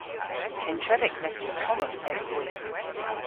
Kentrevek Mester Tomos ewgh hwi.